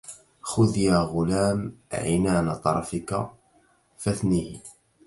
خذ يا غلام عنان طرفك فاثنه